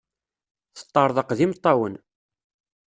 Teṭṭerḍeq d imeṭṭawen.